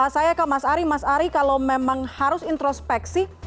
saya ke mas ari mas ari kalau memang harus introspeksi